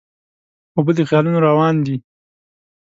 اوبه د خیالونو روان دي.